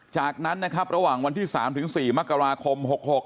จากนั้นนะครับระหว่างวันที่๓๔มกราคม๖๖